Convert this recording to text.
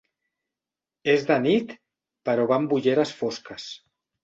És de nit però va amb ulleres fosques.